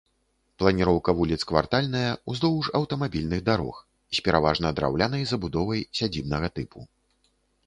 Планіроўка вуліц квартальная, уздоўж аўтамабільных дарог, з пераважна драўлянай забудовай сядзібнага тыпу.